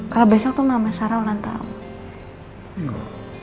kalau besok tuh mama sarah ulang tahun